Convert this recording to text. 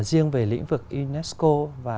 riêng về lĩnh vực unesco và